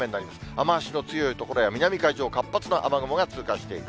雨足の強い所や南海上、活発な雨雲が通過していく。